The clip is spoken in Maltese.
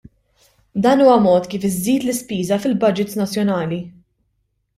Dan huwa mod kif iżżid l-ispiża fil-budgets nazzjonali.